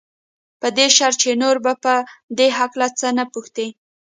په دې شرط چې نور به په دې هکله څه نه پوښتې.